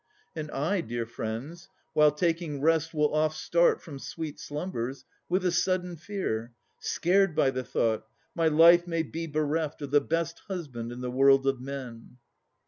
And I, dear friends, while taking rest, will oft Start from sweet slumbers with a sudden fear, Scared by the thought, my life may be bereft Of the best husband in the world of men.